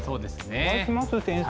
お願いします先生。